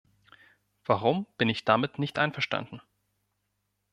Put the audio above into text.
Warum bin ich damit nicht einverstanden?